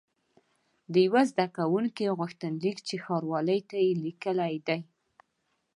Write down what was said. د یوه زده کوونکي غوښتنلیک چې ښاروالۍ ته یې لیکلی دی.